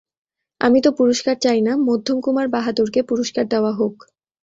আমি তো পুরস্কার চাই না, মধ্যমকুমার বাহাদুরকে পুরস্কার দেওয়া হউক।